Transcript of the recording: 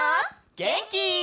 げんき？